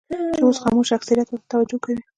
چې اوس خاموش اکثریت ورته توجه کوي.